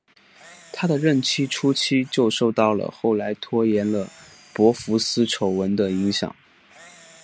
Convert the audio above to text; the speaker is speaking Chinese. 他的任期初期就受到了后来拖延了博福斯丑闻的影响。